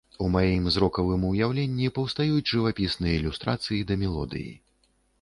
У маім зрокавым уяўленні паўстаюць жывапісныя ілюстрацыі да мелодыі.